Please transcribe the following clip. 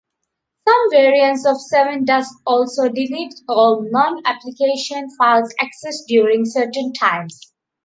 Some variants of SevenDust also delete all non-application files accessed during certain times.